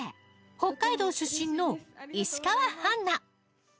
北海道出身の石川花。